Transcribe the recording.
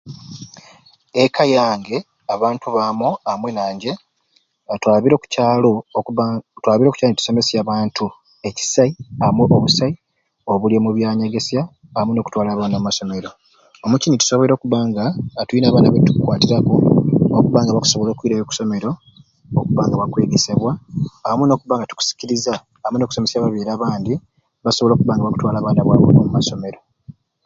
Ekka yange abantu bange amwei nanje nga twabire oku kyalo okuba nga twabire okukyalo netusomesya abantu ekisai amwei nobusai obuli omu byanyegesya amwei nokutwala abaana omu masomero omukini tusoboire okuba nga tuyina abaana betukukwatiraku okuba nga bakusobola okwirayo oku masomero okuba nga bakwegesebwa amwei nokuba nga tukusikiriza amwei nokusomesya ababyere abandi basobole okuba nga bakutwala abaana baabwe omu ma omu masomero